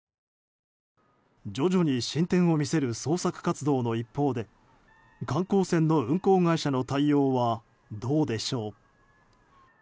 徐々に進展を見せる捜索活動の一方で観光船の運航会社の対応はどうでしょう。